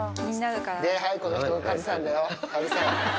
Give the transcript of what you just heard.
はい、この人がカズさんだよ、カズさん。